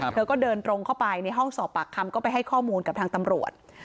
เธอก็เดินตรงเข้าไปในห้องสอบปากคำก็ไปให้ข้อมูลกับทางตำรวจ